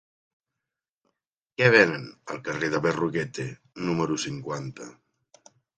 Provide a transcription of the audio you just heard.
Què venen al carrer de Berruguete número cinquanta?